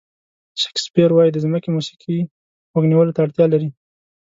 شکسپیر وایي د ځمکې موسیقي غوږ نیولو ته اړتیا لري.